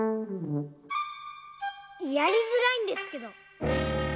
やりづらいんですけど。